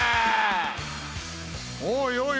おいおい